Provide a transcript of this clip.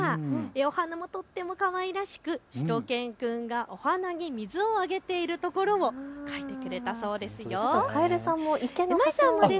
お花もとってもかわいらしくしゅと犬くんがお花に水をあげているところを描いてくれたそうですよ。